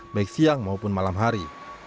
baik siang maupun malam hari